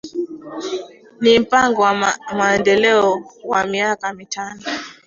Ni mpango wa Maendeleo wa Miaka Mitano